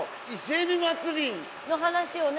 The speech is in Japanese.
・の話をね。